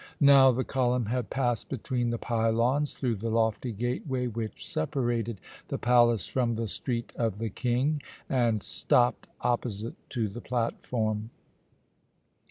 Now the column had passed between the pylons through the lofty gateway which separated the palace from the Street of the King, and stopped opposite to the platform.